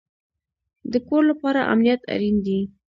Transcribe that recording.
د کور لپاره امنیت اړین دی